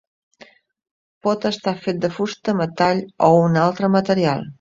Pot estar fet de fusta, metall o un altre material.